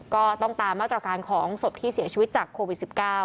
ก็ต้องตามมาตรการของศพที่เสียชีวิตจากโควิด๑๙